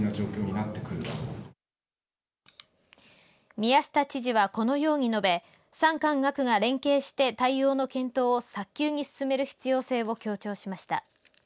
宮下知事は、このように述べ産官学が連携して対応の検討を早急に進める必要性を強調しました。